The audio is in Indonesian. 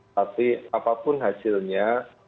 tapi apapun hasilnya